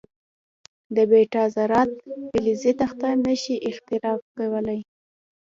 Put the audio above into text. د بیټا ذرات فلزي تخته نه شي اختراق کولای.